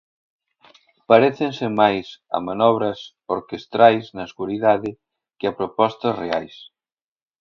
Parécense máis a manobras orquestrais na escuridade que a propostas reais.